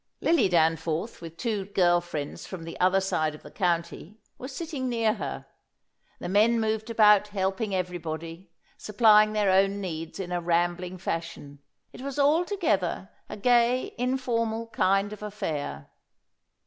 Lily Danforth, with two girl friends from the other side of the county, was sitting near her. The men moved about helping everybody, supplying their own needs in a rambling fashion. It was altogether a gay, informal kind of affair.